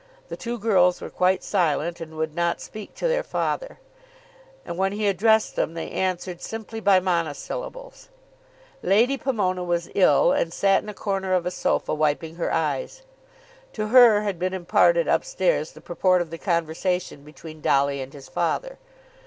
The two girls were quite silent, and would not speak to their father, and when he addressed them they answered simply by monosyllables. Lady Pomona was ill, and sat in a corner of a sofa, wiping her eyes. To her had been imparted up stairs the purport of the conversation between Dolly and his father.